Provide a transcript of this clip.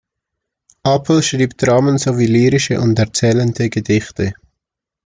Apel schrieb Dramen sowie lyrische und erzählende Gedichte.